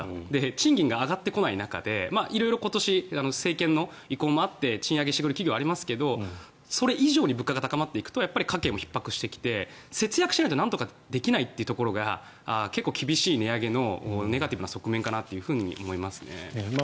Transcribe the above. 賃金が上がってこない中で色々今年、政権の意向もあって賃上げしてくれる企業もありますけどそれ以上に物価が高まっていくと家計もひっ迫してきて節約しないとなんとかできないっていうところが結構厳しい値上げのネガティブな側面かなと思いますね。